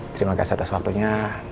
terima kasih atas waktunya